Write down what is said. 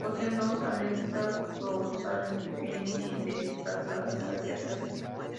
Poseen dos aletas dorsales, pequeñas y desplazadas hacia atrás.